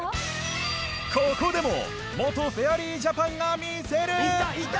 ここでも元フェアリージャパンが魅せる！いった！